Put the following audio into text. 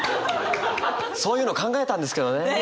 そういうの考えたんですけどね。